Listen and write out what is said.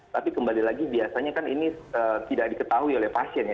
tapi kembali lagi biasanya kan ini tidak diketahui oleh pasien ya